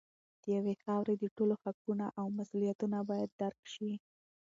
د یوې خاورې د ټولو حقونه او مسوولیتونه باید درک شي.